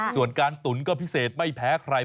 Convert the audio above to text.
ส่วนการตุ๋นก็พิเศษไม่แพ้ใคร